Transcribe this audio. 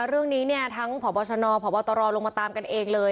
เรื่องนี้เนี่ยทั้งพบชนพบตรลงมาตามกันเองเลย